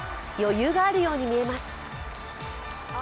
余裕があるように見えます。